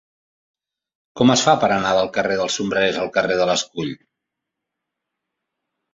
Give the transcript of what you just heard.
Com es fa per anar del carrer dels Sombrerers al carrer de l'Escull?